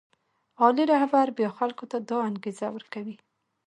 عالي رهبر بیا خلکو ته دا انګېزه ورکوي.